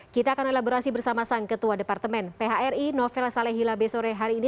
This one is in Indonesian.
kita akan elaborasi bersama sang ketua departemen phri novel saleh hilabe sore hari ini